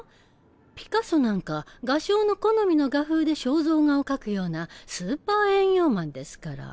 ピカソなんか画商の好みの画風で肖像画を描くようなスーパー営業マンですから。